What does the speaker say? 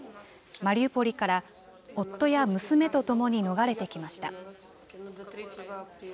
マリウポリから夫や娘と共に逃れてきました。